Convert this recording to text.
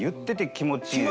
気持ちいいです。